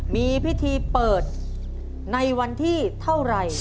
มีพิธีเปิดในวันที่เท่าไหร่